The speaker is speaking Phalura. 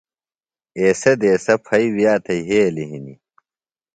ایسےۡ دیسہ پھئیۡ وِیہ تھےۡ یھیلیۡ ہنیۡ